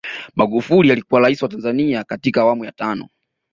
magufuli alikuwa rais wa tanzania katika awamu ya tano